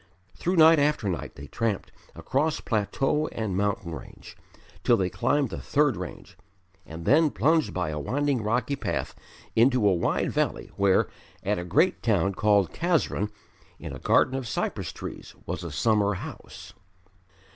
Through night after night they tramped, across plateau and mountain range, till they climbed the third range, and then plunged by a winding rocky path into a wide valley where, at a great town called Kazrun, in a garden of cypress trees was a summer house.